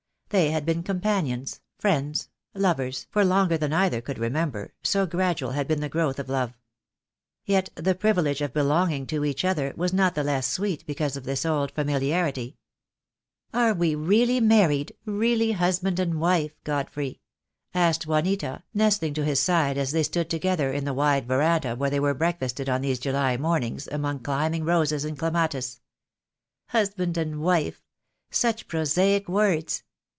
They had been companions, friends, lovers, for longer than either could remember, so gradual had been the growth of love. Yet the privilege of belonging to each other was not the less sweet because of this old familiarity. "Are we really married — really husband and wife — Godfrey?" asked Juanita, nestling to his side as they THE DAY WILL COME. 2 0, stood together in the wide verandah where they break fasted on these July mornings among climbing roses and clematis. "Husband and wife — such prosaic words.